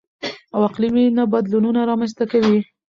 او اقلـيمي نه بـدلونـونه رامـنځتـه کوي.